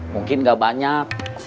mungkin gak banyak